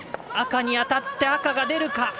赤に当たって、赤が出るか。